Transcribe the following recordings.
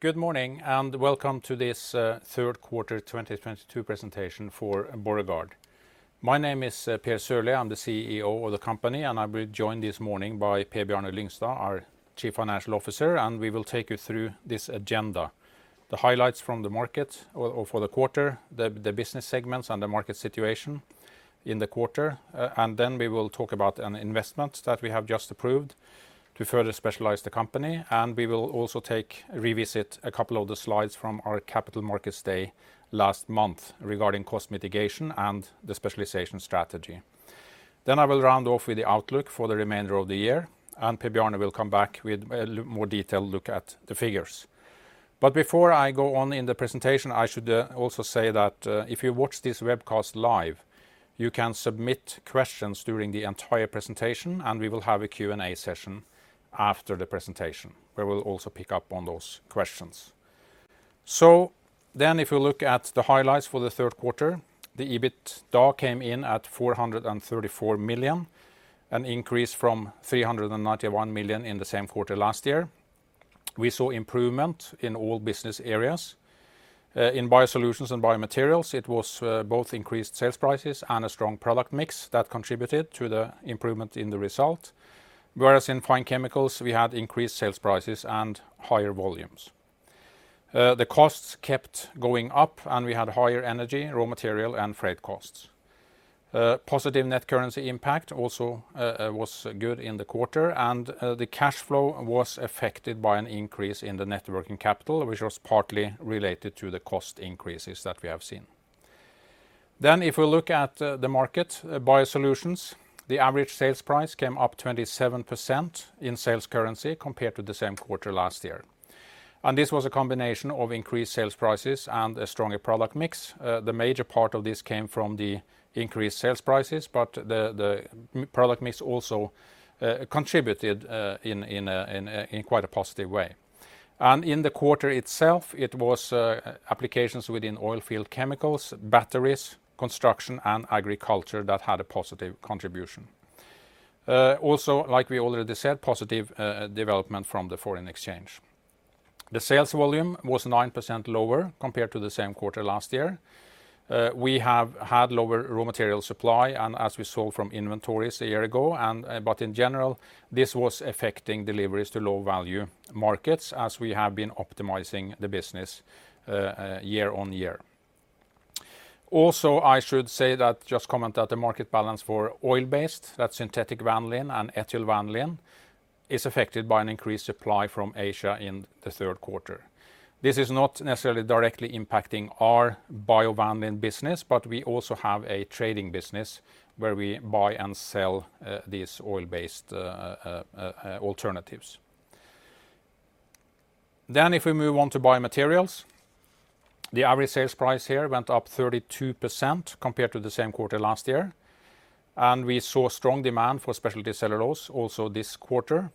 Good morning, and welcome to this third quarter 2022 presentation for Borregaard. My name is Per A. Sørlie. I'm the CEO of the company, and I'll be joined this morning by Per Bjarne Lyngstad, our Chief Financial Officer, and we will take you through this agenda. The highlights from the market for the quarter, the business segments, and the market situation in the quarter. We will talk about an investment that we have just approved to further specialize the company. We will also revisit a couple of the slides from our Capital Markets Day last month regarding cost mitigation and the specialization strategy. I will round off with the outlook for the remainder of the year, and Per Bjarne will come back with a more detailed look at the figures. Before I go on in the presentation, I should also say that if you watch this webcast live, you can submit questions during the entire presentation, and we will have a Q&A session after the presentation, where we'll also pick up on those questions. If you look at the highlights for the third quarter, the EBITDA came in at 434 million, an increase from 391 million in the same quarter last year. We saw improvement in all business areas. In BioSolutions and BioMaterials, it was both increased sales prices and a strong product mix that contributed to the improvement in the result, whereas in Fine Chemicals, we had increased sales prices and higher volumes. The costs kept going up, and we had higher energy, raw material, and freight costs. Positive net currency impact also was good in the quarter, and the cash flow was affected by an increase in the net working capital, which was partly related to the cost increases that we have seen. If we look at the market, BioSolutions, the average sales price came up 27% in sales currency compared to the same quarter last year. This was a combination of increased sales prices and a stronger product mix. The major part of this came from the increased sales prices, but the product mix also contributed in a quite positive way. In the quarter itself, it was applications within oilfield chemicals, batteries, construction, and agriculture that had a positive contribution. Also, like we already said, positive development from the foreign exchange. The sales volume was 9% lower compared to the same quarter last year. We have had lower raw material supply, and as we sold from inventories a year ago, and, but in general, this was affecting deliveries to low-value markets as we have been optimizing the business, year-on-year. Also, I should say that, just comment that the market balance for oil-based, that's synthetic vanillin and ethyl vanillin, is affected by an increased supply from Asia in the third quarter. This is not necessarily directly impacting our BioVanillin business, but we also have a trading business where we buy and sell, these oil-based, alternatives. If we move on to BioMaterials, the average sales price here went up 32% compared to the same quarter last year, and we saw strong demand for specialty cellulose also this quarter.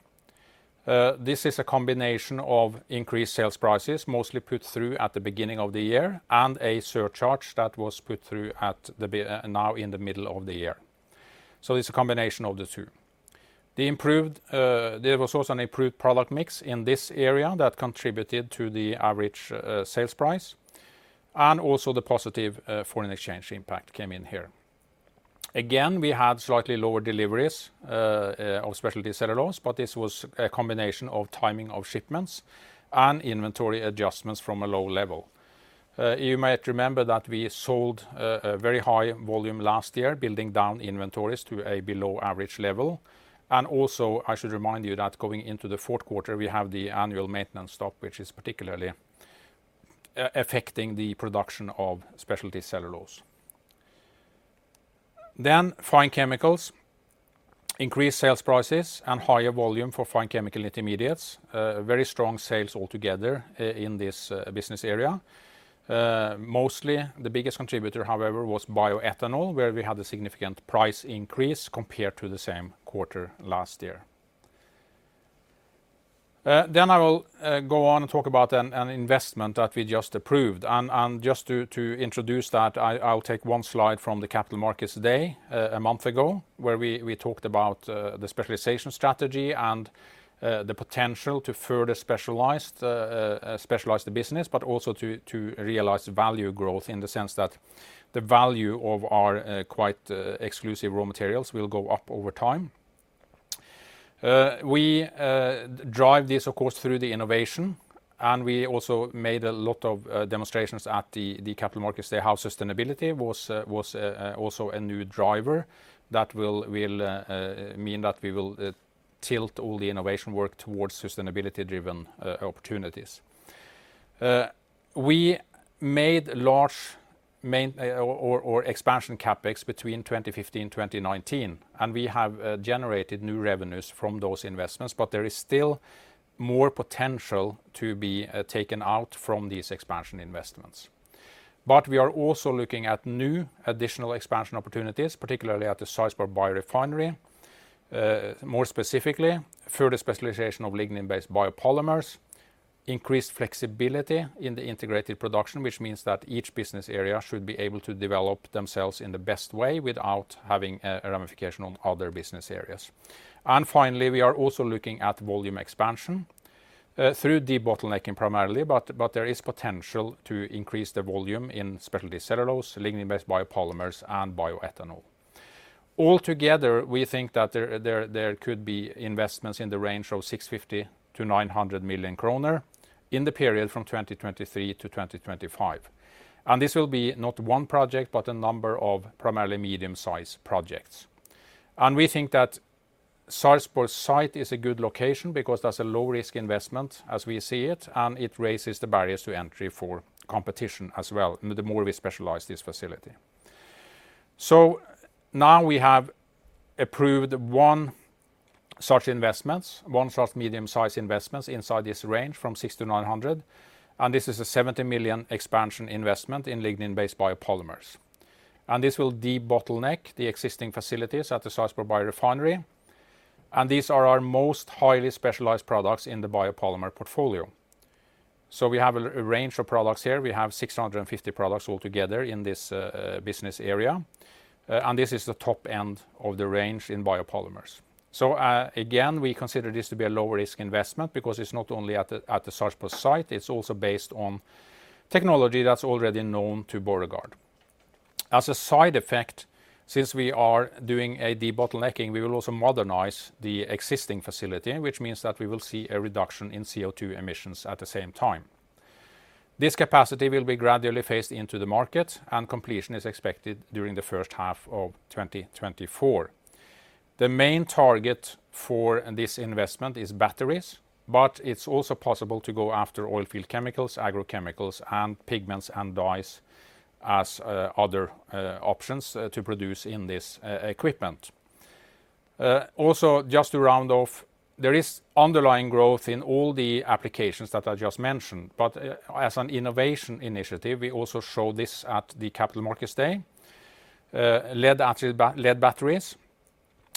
This is a combination of increased sales prices, mostly put through at the beginning of the year, and a surcharge that was put through now in the middle of the year. It's a combination of the two. There was also an improved product mix in this area that contributed to the average sales price, and also the positive foreign exchange impact came in here. Again, we had slightly lower deliveries of specialty cellulose, but this was a combination of timing of shipments and inventory adjustments from a low level. You might remember that we sold a very high volume last year, building down inventories to a below-average level. Also, I should remind you that going into the fourth quarter, we have the annual maintenance stop, which is particularly affecting the production of specialty cellulose. Fine Chemicals. Increased sales prices and higher volume for fine chemical intermediates. Very strong sales altogether in this business area. Mostly the biggest contributor, however, was bioethanol, where we had a significant price increase compared to the same quarter last year. I will go on and talk about an investment that we just approved. Just to introduce that, I'll take one slide from the Capital Markets Day a month ago, where we talked about the specialization strategy and the potential to further specialize the business, but also to realize value growth in the sense that the value of our quite exclusive raw materials will go up over time. We drive this, of course, through the innovation, and we also made a lot of demonstrations at the Capital Markets Day how sustainability was also a new driver that will mean that we will tilt all the innovation work towards sustainability-driven opportunities. We made expansion CapEx between 2015 and 2019, and we have generated new revenues from those investments, but there is still more potential to be taken out from these expansion investments. We are also looking at new additional expansion opportunities, particularly at the Sarpsborg Biorefinery, more specifically, further specialization of lignin-based biopolymers. Increased flexibility in the integrated production, which means that each business area should be able to develop themselves in the best way without having a ramification on other business areas. Finally, we are also looking at volume expansion through debottlenecking primarily, but there is potential to increase the volume in specialty cellulose, lignin-based biopolymers, and bioethanol. Altogether, we think that there could be investments in the range of 650 million-900 million kroner in the period from 2023-2025. This will be not one project, but a number of primarily medium-sized projects. We think that Sarpsborg site is a good location because that's a low-risk investment as we see it, and it raises the barriers to entry for competition as well, the more we specialize this facility. Now we have approved one such investments, one such medium-sized investments inside this range from 650-900, and this is a 70 million expansion investment in lignin-based biopolymers. This will debottleneck the existing facilities at the Sarpsborg Biorefinery, and these are our most highly specialized products in the biopolymer portfolio. We have a range of products here. We have 650 products altogether in this business area, and this is the top end of the range in biopolymers. Again, we consider this to be a low-risk investment because it's not only at the Sarpsborg site, it's also based on technology that's already known to Borregaard. As a side effect, since we are doing a debottlenecking, we will also modernize the existing facility, which means that we will see a reduction in CO2 emissions at the same time. This capacity will be gradually phased into the market, and completion is expected during the first half of 2024. The main target for this investment is batteries, but it's also possible to go after oilfield chemicals, agrochemicals, and pigments and dyes as other options to produce in this equipment. Also just to round off, there is underlying growth in all the applications that I just mentioned, but as an innovation initiative, we also show this at the Capital Markets Day, lead batteries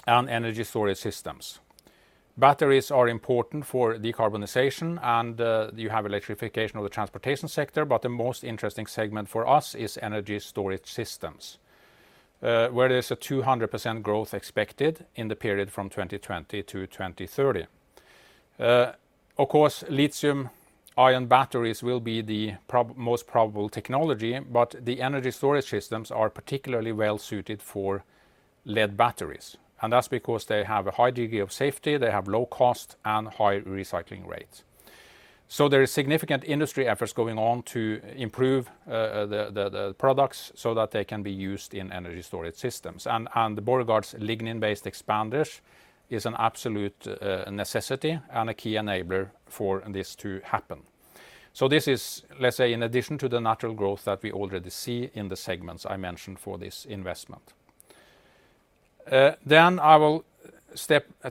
and energy storage systems. Batteries are important for decarbonization, and you have electrification of the transportation sector, but the most interesting segment for us is energy storage systems, where there's a 200% growth expected in the period from 2020-2030. Of course, lithium ion batteries will be the most probable technology, but the energy storage systems are particularly well-suited for lead batteries, and that's because they have a high degree of safety, they have low cost, and high recycling rates. There is significant industry efforts going on to improve the products so that they can be used in energy storage systems, and Borregaard's lignin-based expander is an absolute necessity and a key enabler for this to happen. This is, let's say, in addition to the natural growth that we already see in the segments I mentioned for this investment. I will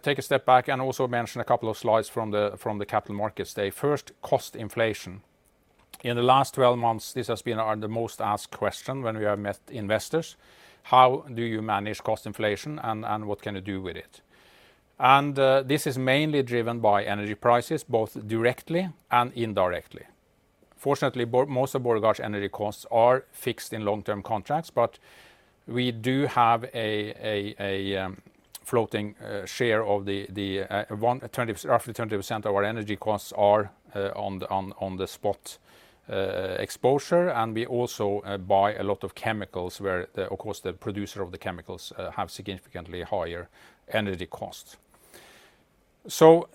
take a step back and also mention a couple of slides from the Capital Markets Day. First, cost inflation. In the last 12 months, this has been the most asked question when we have met investors, "How do you manage cost inflation, and what can you do with it?" This is mainly driven by energy prices, both directly and indirectly. Fortunately, most of Borregaard's energy costs are fixed in long-term contracts, but we do have a floating share of the roughly 20% of our energy costs are on the spot exposure, and we also buy a lot of chemicals where, of course, the producer of the chemicals have significantly higher energy costs.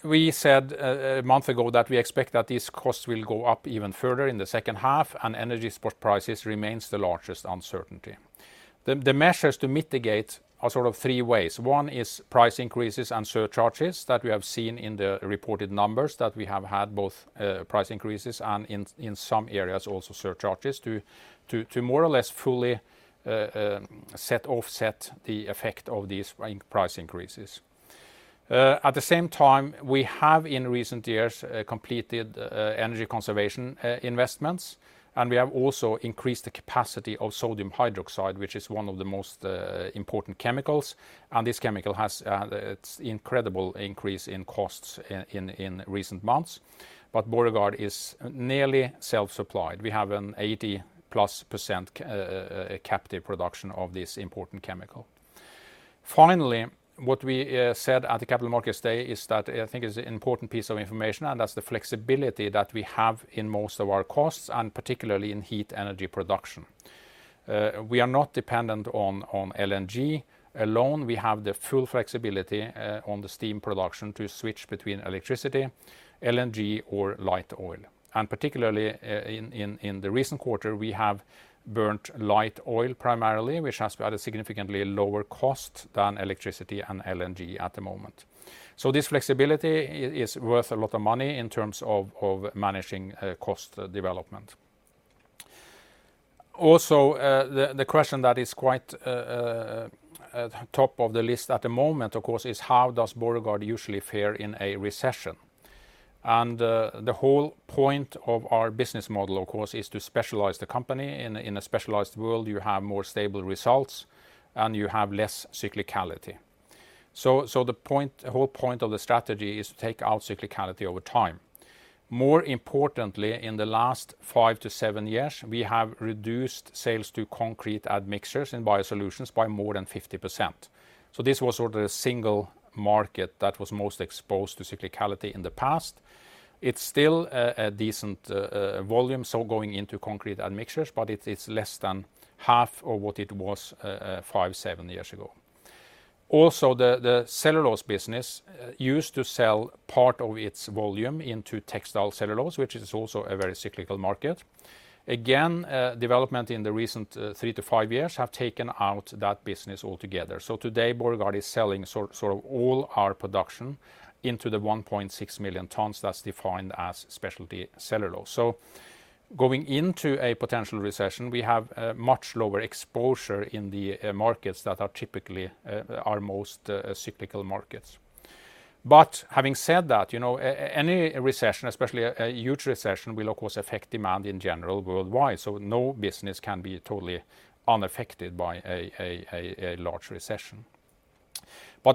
We said a month ago that we expect that these costs will go up even further in the second half, and energy spot prices remains the largest uncertainty. The measures to mitigate are sort of three ways. One is price increases and surcharges that we have seen in the reported numbers, that we have had both, price increases and in some areas, also surcharges to more or less fully offset the effect of these price increases. At the same time, we have, in recent years, completed energy conservation investments, and we have also increased the capacity of sodium hydroxide, which is one of the most important chemicals, and this chemical has its incredible increase in costs in recent months. Borregaard is nearly self-supplied. We have an 80%+ captive production of this important chemical. Finally, what we said at the Capital Markets Day is that, I think, is an important piece of information, and that's the flexibility that we have in most of our costs, and particularly in heat energy production. We are not dependent on LNG alone. We have the full flexibility on the steam production to switch between electricity, LNG, or light oil. Particularly in the recent quarter, we have burned light oil primarily, which has significantly lower cost than electricity and LNG at the moment. This flexibility is worth a lot of money in terms of managing cost development. Also, the question that is quite top of the list at the moment, of course, is how does Borregaard usually fare in a recession? The whole point of our business model, of course, is to specialize the company. In a specialized world, you have more stable results, and you have less cyclicality. The whole point of the strategy is to take out cyclicality over time. More importantly, in the last 5-7 years, we have reduced sales to concrete admixtures in BioSolutions by more than 50%. This was sort of the single market that was most exposed to cyclicality in the past. It's still a decent volume, so going into concrete admixtures, but it's less than half of what it was 5-7 years ago. Also, the cellulose business used to sell part of its volume into textile cellulose, which is also a very cyclical market. Development in the recent 3-5 years have taken out that business altogether. Today, Borregaard is selling sort of all our production into the 1.6 million tons that's defined as specialty cellulose. Going into a potential recession, we have a much lower exposure in the markets that are typically our most cyclical markets. Having said that, you know, any recession, especially a huge recession, will of course affect demand in general worldwide. No business can be totally unaffected by a large recession.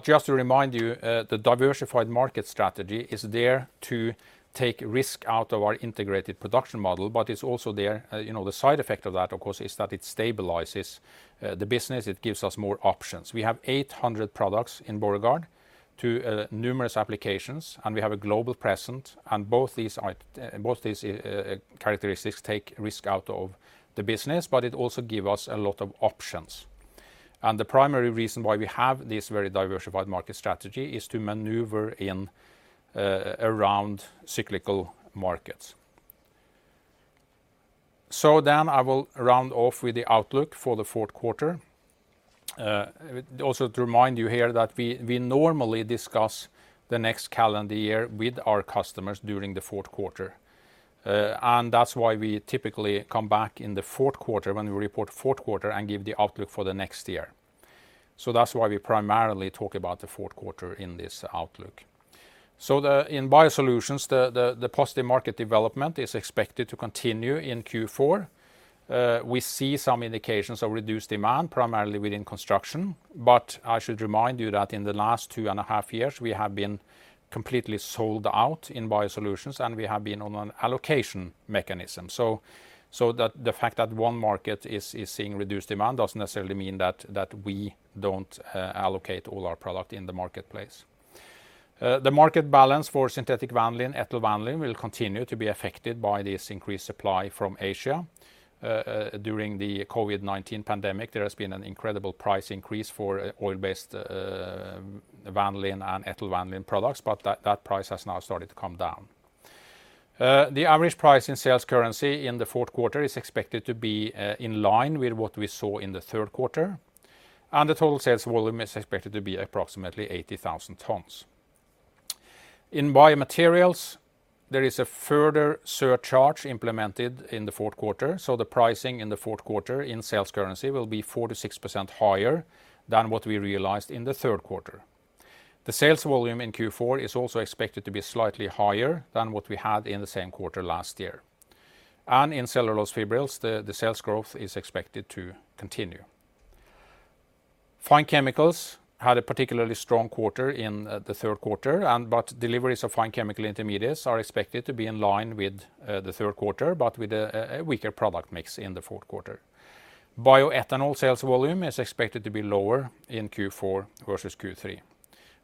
Just to remind you, the diversified market strategy is there to take risk out of our integrated production model, but it's also there, you know, the side effect of that, of course, is that it stabilizes the business. It gives us more options. We have 800 products in Borregaard too, numerous applications, and we have a global presence, and both these characteristics take risk out of the business, but it also give us a lot of options. The primary reason why we have this very diversified market strategy is to maneuver in and around cyclical markets. I will round off with the outlook for the fourth quarter. Also to remind you here that we normally discuss the next calendar year with our customers during the fourth quarter. That's why we typically come back in the fourth quarter when we report fourth quarter, and give the outlook for the next year. That's why we primarily talk about the fourth quarter in this outlook. In BioSolutions, the positive market development is expected to continue in Q4. We see some indications of reduced demand, primarily within construction. I should remind you that in the last two and a half years, we have been completely sold out in BioSolutions, and we have been on an allocation mechanism. The fact that one market is seeing reduced demand doesn't necessarily mean that we don't allocate all our product in the marketplace. The market balance for synthetic vanillin, ethyl vanillin will continue to be affected by this increased supply from Asia. During the COVID-19 pandemic, there has been an incredible price increase for oil-based vanillin and ethyl vanillin products, but that price has now started to come down. The average price in sales currency in the fourth quarter is expected to be in line with what we saw in the third quarter, and the total sales volume is expected to be approximately 80,000 tons. In BioMaterials, there is a further surcharge implemented in the fourth quarter, so the pricing in the fourth quarter in sales currency will be 4%-6% higher than what we realized in the third quarter. The sales volume in Q4 is also expected to be slightly higher than what we had in the same quarter last year. In cellulose fibrils, the sales growth is expected to continue. Fine Chemicals had a particularly strong quarter in the third quarter, but deliveries of fine chemical intermediates are expected to be in line with the third quarter, but with a weaker product mix in the fourth quarter. Bioethanol sales volume is expected to be lower in Q4 versus Q3.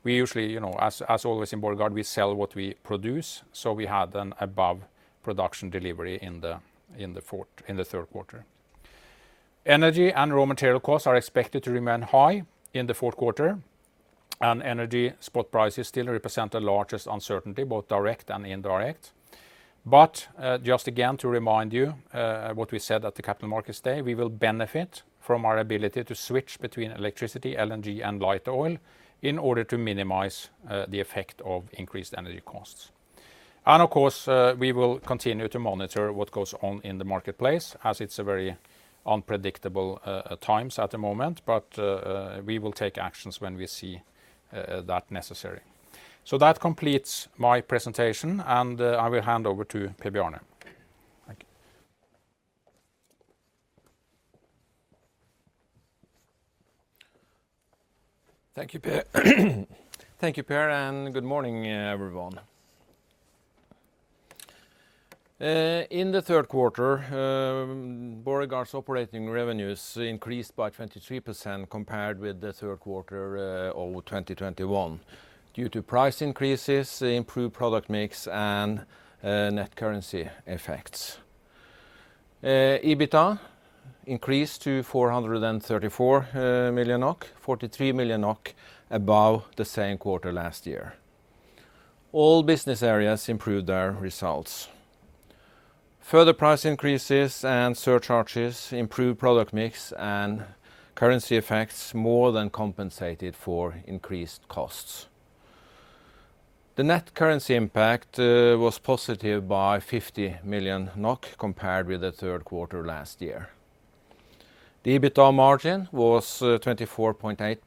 We usually, you know, as always in Borregaard, we sell what we produce, so we had an above production delivery in the third quarter. Energy and raw material costs are expected to remain high in the fourth quarter, and energy spot prices still represent the largest uncertainty, both direct and indirect. Just again to remind you what we said at the Capital Markets Day, we will benefit from our ability to switch between electricity, LNG, and light oil in order to minimize the effect of increased energy costs. Of course, we will continue to monitor what goes on in the marketplace as it's a very unpredictable times at the moment, but we will take actions when we see that necessary. That completes my presentation, and I will hand over to Per-Bjarne. Thank you. Thank you, Per, and good morning, everyone. In the third quarter, Borregaard's operating revenues increased by 23% compared with the third quarter of 2021 due to price increases, improved product mix, and net currency effects. EBITDA increased to 434 million NOK, 43 million NOK above the same quarter last year. All business areas improved their results. Further price increases and surcharges, improved product mix, and currency effects more than compensated for increased costs. The net currency impact was positive by 50 million NOK compared with the third quarter last year. The EBITDA margin was 24.8%,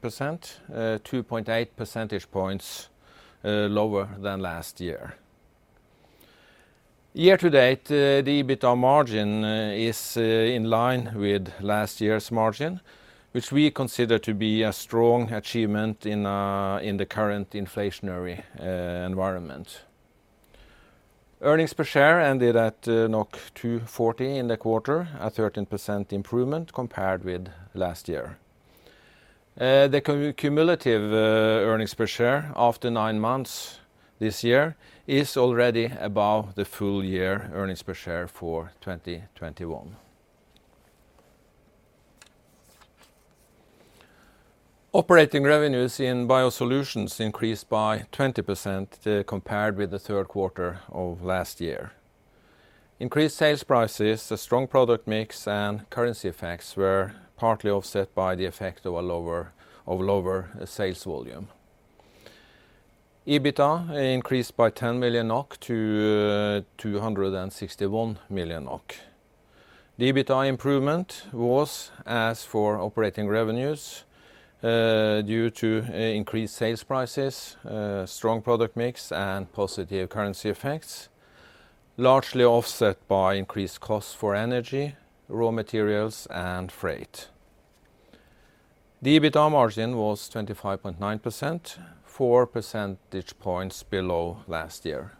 2.8 percentage points lower than last year. Year-to-date, the EBITDA margin is in line with last year's margin, which we consider to be a strong achievement in the current inflationary environment. Earnings per share ended at 240 in the quarter, a 13% improvement compared with last year. The cumulative earnings per share after nine months this year is already above the full year earnings per share for 2021. Operating revenues in BioSolutions increased by 20% compared with the third quarter of last year. Increased sales prices, a strong product mix, and currency effects were partly offset by the effect of a lower sales volume. EBITDA increased by 10 million-261 million NOK. The EBITDA improvement was, as for operating revenues, due to increased sales prices, strong product mix, and positive currency effects, largely offset by increased costs for energy, raw materials, and freight. The EBITDA margin was 25.9%, 4 percentage points below last year.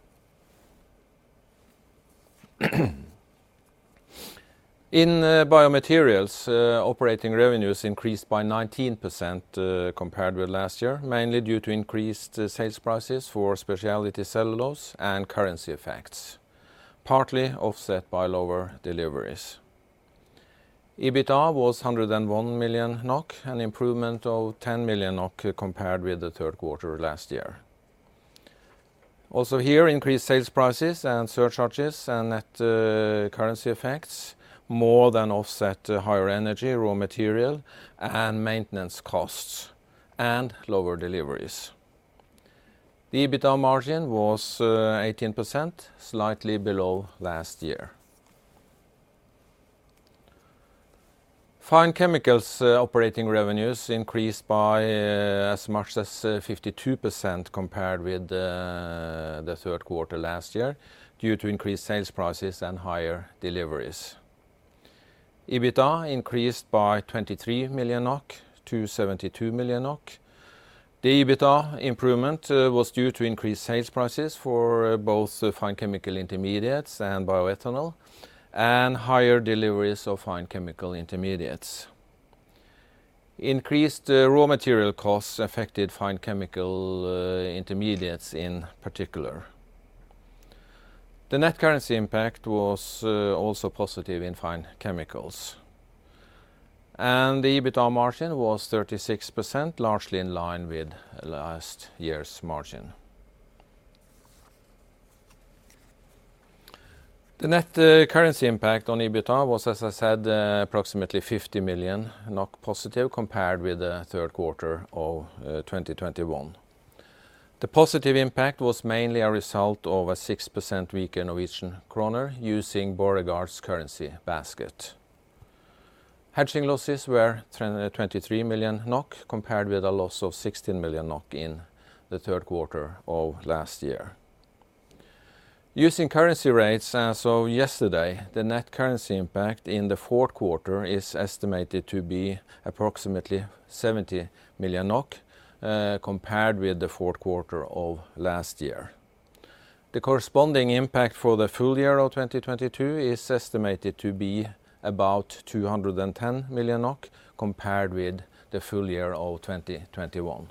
In BioMaterials, operating revenues increased by 19%, compared with last year, mainly due to increased sales prices for specialty cellulose and currency effects, partly offset by lower deliveries. EBITDA was 101 million NOK, an improvement of 10 million NOK compared with the third quarter last year. Also here, increased sales prices and surcharges and net currency effects more than offset higher energy, raw material, and maintenance costs, and lower deliveries. The EBITDA margin was 18%, slightly below last year. Fine Chemicals operating revenues increased by as much as 52% compared with the third quarter last year due to increased sales prices and higher deliveries. EBITDA increased by 23 million-72 million NOK. The EBITDA improvement was due to increased sales prices for both the fine chemical intermediates and bioethanol, and higher deliveries of fine chemical intermediates. Increased raw material costs affected fine chemical intermediates in particular. The net currency impact was also positive in Fine Chemicals. The EBITDA margin was 36%, largely in line with last year's margin. The net currency impact on EBITDA was, as I said, approximately 50 million NOK positive compared with the third quarter of 2021. The positive impact was mainly a result of a 6% weaker Norwegian kroner using Borregaard's currency basket. Hedging losses were 23 million NOK compared with a loss of 16 million NOK in the third quarter of last year. Using currency rates as of yesterday, the net currency impact in the fourth quarter is estimated to be approximately 70 million NOK compared with the fourth quarter of last year. The corresponding impact for the full year of 2022 is estimated to be about 210 million NOK compared with the full year of 2021.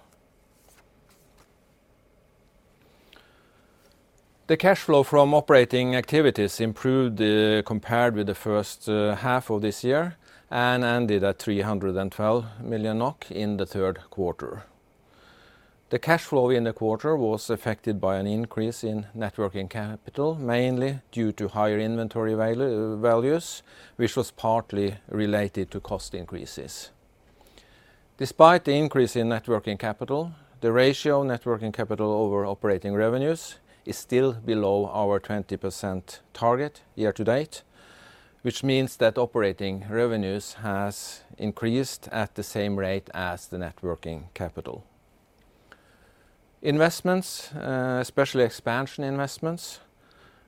The cash flow from operating activities improved compared with the first half of this year, and ended at 312 million NOK in the third quarter. The cash flow in the quarter was affected by an increase in net working capital, mainly due to higher inventory values, which was partly related to cost increases. Despite the increase in net working capital, the ratio net working capital over operating revenues is still below our 20% target year to date, which means that operating revenues has increased at the same rate as the net working capital. Investments, especially expansion investments,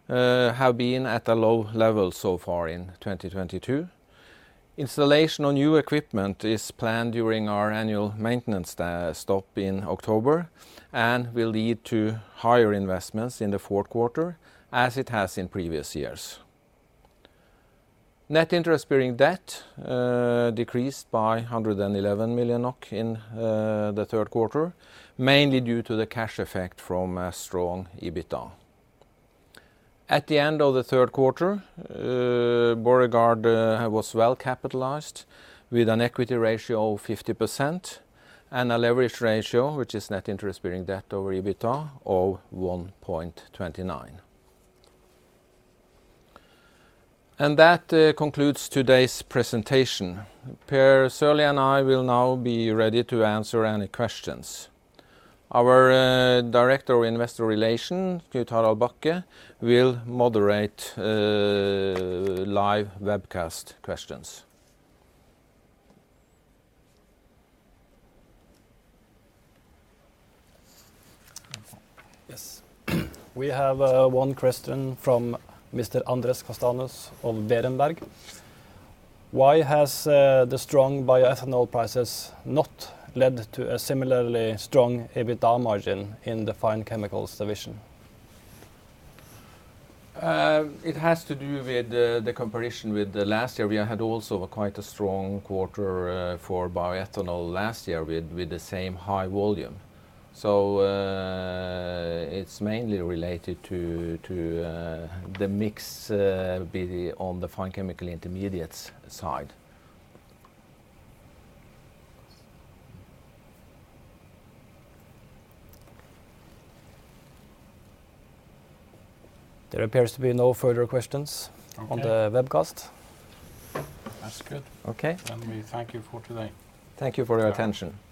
have been at a low level so far in 2022. Installation on new equipment is planned during our annual maintenance stop in October, and will lead to higher investments in the fourth quarter, as it has in previous years. Net interest-bearing debt decreased by 111 million NOK in the third quarter, mainly due to the cash effect from a strong EBITDA. At the end of the third quarter, Borregaard was well capitalized with an equity ratio of 50% and a leverage ratio, which is net interest-bearing debt over EBITDA, of 1.29x. That concludes today's presentation. Per A. Sørlie and I will now be ready to answer any questions. Our Director of Investor Relations, Knut-Harald Bakke, will moderate live webcast questions. Yes. We have one question from Mr. Andrés Castaños of Berenberg. Why has the strong bioethanol prices not led to a similarly strong EBITDA margin in the Fine Chemicals division? It has to do with the comparison with the last year. We had also quite a strong quarter for bioethanol last year with the same high volume. It's mainly related to the mix on the fine chemical intermediates side. There appears to be no further questions. on the webcast. That's good. Okay. We thank you for today. Thank you for your attention. Yeah.